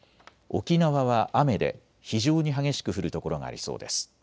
沖縄は雨で非常に激しく降る所がありそうです。